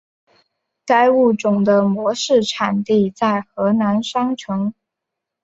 该物种的模式产地在河南商城。